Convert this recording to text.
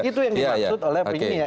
itu yang dimaksud oleh